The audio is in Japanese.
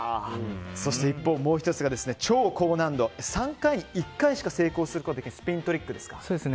そして一方もう１つが超高難度３回に１回しか成功することができないスピントリックですが。